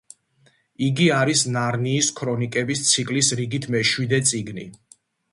იგი არის ნარნიის ქრონიკების ციკლის რიგით მეშვიდე წიგნი.